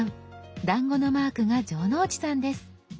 だんごのマークが城之内さんです。